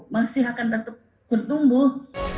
masih akan tetap bertumbuh